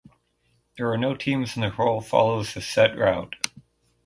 There are no teams and the hurl follows a set route.